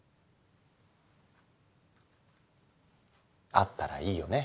あったらいいよね。